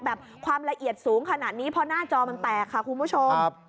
ความละเอียดสูงขนาดนี้เพราะหน้าจอมันแตกค่ะคุณผู้ชม